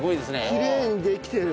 きれいにできてる。